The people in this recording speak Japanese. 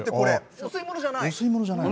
お吸い物じゃない？